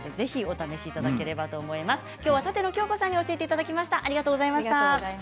舘野鏡子さんに教えていただきました。